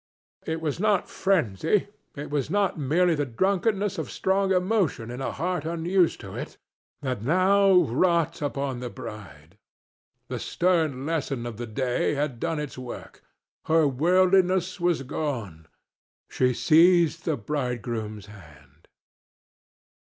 It was not frenzy, it was not merely the drunkenness of strong emotion in a heart unused to it, that now wrought upon the bride. The stern lesson of the day had done its work; her worldliness was gone. She seized the bridegroom's hand.